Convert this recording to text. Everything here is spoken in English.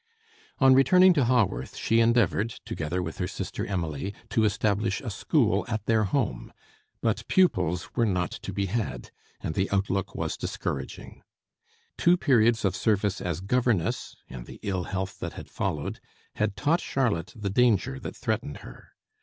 On returning to Haworth, she endeavored, together with her sister Emily, to establish a school at their home. But pupils were not to be had, and the outlook was discouraging. Two periods of service as governess, and the ill health that had followed, had taught Charlotte the danger that threatened her.